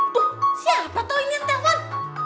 tuh siapa toh ini yang telepon